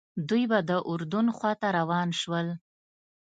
دوی به د اردن خواته روان شول.